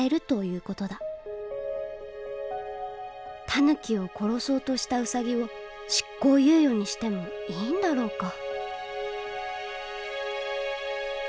タヌキを殺そうとしたウサギを執行猶予にしてもいいんだろうか。